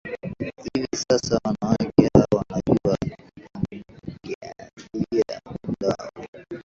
Hivi sasa wanawake hao wanajua kupangilia muda wao